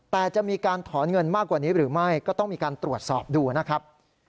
แต่จะมีการถอนเงินมากกว่านี้หรือไม่ก็ต้องมีการตรวจสอบดูนะครับ